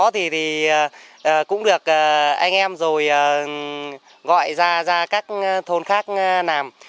sau đó thì cũng được anh em rồi gọi ra các thôn khác làm